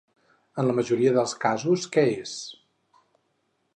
En la majoria dels casos que és.